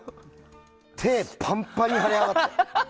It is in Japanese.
手、パンパンに腫れ上がって。